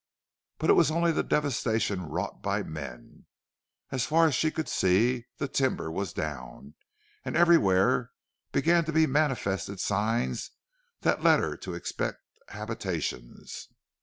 But it was only the devastation wrought by men. As far as she could see the timber was down, and everywhere began to be manifested signs that led her to expect habitations.